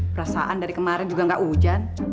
perasaan dari kemarin juga nggak hujan